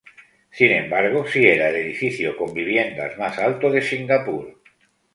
Sin embargo, sí era el edificio con viviendas más alto de Singapur.